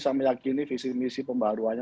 saya yakin misi misi pembaharuannya